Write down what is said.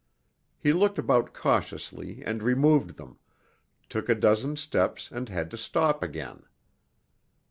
He looked about cautiously and removed them, took a dozen steps and had to stop again.